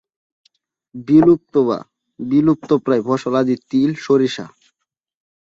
বিলুপ্ত বা বিলুপ্তপ্রায় ফসলাদি তিল, সরিষা।